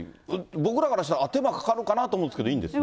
僕らからしたら、手間かかるかなと思うんですけど、いいんですね。